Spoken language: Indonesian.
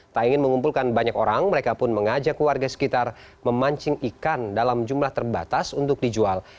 tak ingin mengumpulkan banyak orang mereka pun mengajak warga sekitar memancing ikan dalam jumlah terbatas untuk dijual